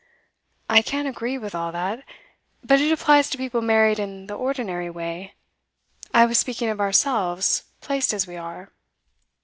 'I can agree with all that. But it applies to people married in the ordinary way. I was speaking of ourselves, placed as we are.